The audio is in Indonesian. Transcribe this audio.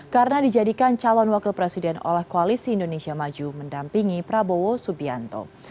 karena dijadikan calon wakil presiden oleh koalisi indonesia maju mendampingi prabowo subianto